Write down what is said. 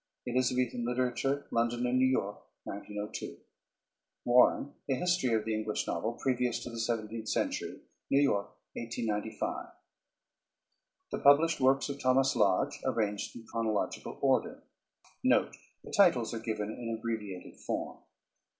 Elizabethan Literature, London and New York, 1902. WARREN. A History of the Novel, previous to the Seventeenth Century, New York, 1895. THE PUBLISHED WORKS OF THOMAS LODGE ARRANGED IN CHRONOLOGICAL ORDER [Footnote 1: The titles are given in abbreviated form.